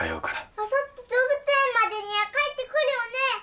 あさって動物園までには帰ってくるよね？